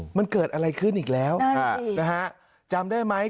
มันเกิดอะไรขึ้นอีกแล้วนะฮะจำได้ไหม